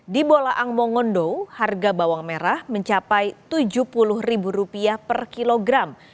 di bola ang mongondo harga bawang merah mencapai rp tujuh puluh per kilogram